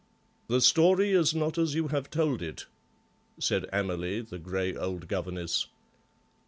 "The story is not as you have told it," said Amalie, the grey old governess.